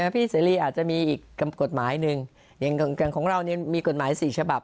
พี่เสรีอาจจะมีอีกกฎหมายหนึ่งอย่างของเรามีกฎหมาย๔ฉบับ